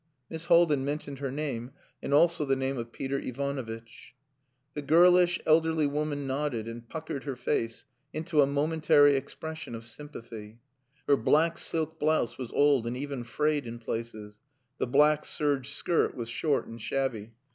Miss Haldin mentioned her name and also the name of Peter Ivanovitch. The girlish, elderly woman nodded and puckered her face into a momentary expression of sympathy. Her black silk blouse was old and even frayed in places; the black serge skirt was short and shabby.